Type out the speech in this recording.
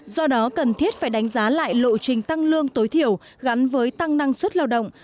do đó cần thiết phải đánh giá lại lộ trình tăng lương tối thiểu gắn với tăng năng suất lao động